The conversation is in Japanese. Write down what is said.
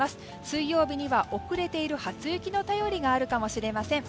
水曜日には遅れている初雪の便りがあるかもしれません。